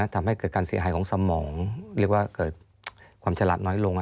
ทำให้เกิดการเสียหายของสมองเรียกว่าเกิดความฉลาดน้อยลง